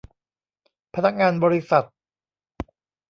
พนักงานบริษัท